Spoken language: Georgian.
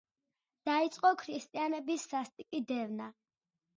დაიწყო ქრისტიანების სასტიკი დევნა.